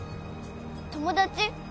友達？